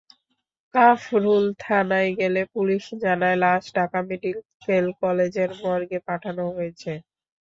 কাফরুল থানায় গেলে পুলিশ জানায়, লাশ ঢাকা মেডিকেল কলেজের মর্গে পাঠানো হয়েছে।